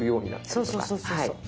そうそうそうそうそう。